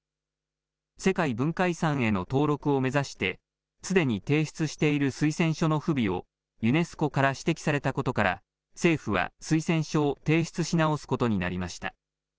世界文化遺産への登録を目指して、すでに提出している推薦書の不備をユネスコから指摘されたことから、政府は推薦書を提出し直すことになりました。